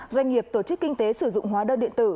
doanh nghiệp tổ chức kinh tế sử dụng hóa đơn điện tử